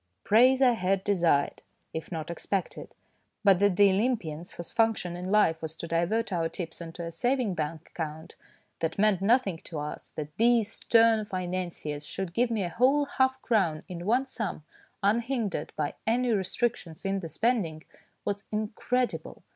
Praise I had desired, if not expected ; but that the Olympians whose function in life was to divert our tips into a savings bank account that meant nothing to us, that these stern financiers should give me a whole half crown in one sum, unhindered by any restrictions in the spending, was incredible.